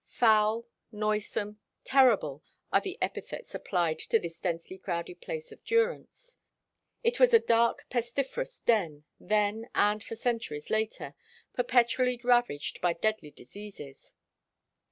Foul, noisome, terrible, are the epithets applied to this densely crowded place of durance.[15:1] It was a dark, pestiferous den, then, and for centuries later, perpetually ravaged by deadly diseases.